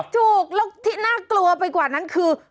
ถูกแล้วที่น่ากลัวไปกว่านั้นคือ